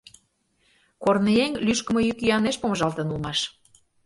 Корныеҥ лӱшкымӧ йӱк-йӱанеш помыжалтын улмаш.